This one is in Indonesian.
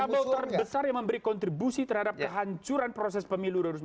ini variabel terbesar yang memberi kontribusi terhadap kehancuran proses pemilu dua puluh sembilan tahun